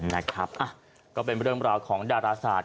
นะครับก็เป็นเรื่องราวของดาราศาสต